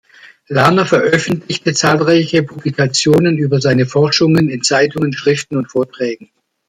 Lahner veröffentlichte zahlreiche Publikationen über seine Forschungen in Zeitungen, Schriften und Vorträgen.